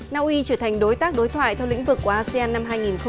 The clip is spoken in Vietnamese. naui trở thành đối tác đối thoại theo lĩnh vực của asean năm hai nghìn một mươi năm